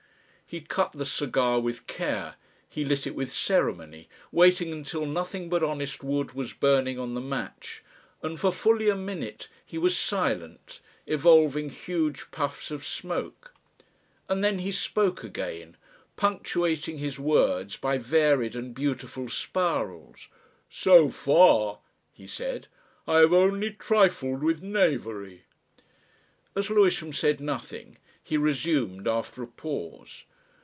He cut the cigar with care, he lit it with ceremony, waiting until nothing but honest wood was burning on the match, and for fully a minute he was silent, evolving huge puffs of smoke. And then he spoke again, punctuating his words by varied and beautiful spirals. "So far," he said, "I have only trifled with knavery." As Lewisham said nothing he resumed after a pause.